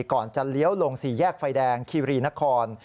ก่อนจะเลี้ยวลงสี่แยกไฟแดงคีรีนคร